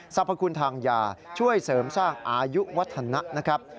พคุณทางยาช่วยเสริมสร้างอายุวัฒนะนะครับ